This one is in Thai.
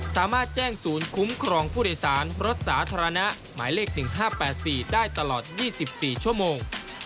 สามารถแจ้งศูนย์คุ้มครองผู้โดยสารรถสาธารณะหมายเลข๑๕๘๔ได้ตลอด๒๔ชั่วโมง